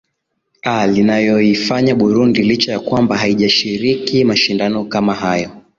aa linayoifanya burundi licha ya kwamba haijashiriki mashindano kama hayo